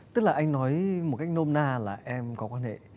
tức là anh nói một cách nôm na là em có quan hệ